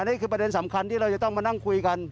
นี่คือประเด็นสำคัญที่เราจะต้องมานั่งคุยกัน